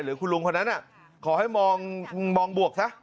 หรือคุณลุงคนนั้นน่ะขอให้มองบวกซะ